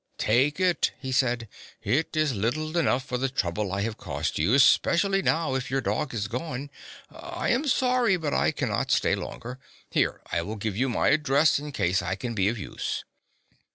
" Take it," he said. " It is little enough for the trouble I have caused you — especially now, if your dog is gone. I am sorry, but I cannot stay longer. Here, I will give you my address, in case I can be of use."